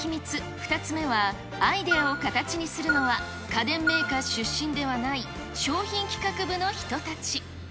２つ目はアイデアを形にするのは、家電メーカー出身ではない商品企画部の人たち。